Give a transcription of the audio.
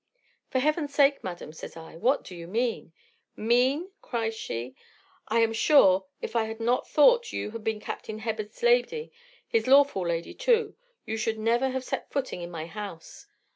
For heaven's sake, madam, says I, what do you mean? 'Mean?' cries she; 'I am sure, if I had not thought you had been Captain Hebbers' lady, his lawful lady too, you should never have set footing in my house.